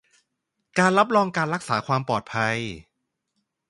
การรับรองการรักษาความปลอดภัย